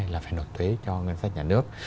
là phải nộp thuế cho ngân sách nhà nước